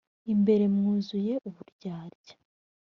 imbere mwuzuye uburyarya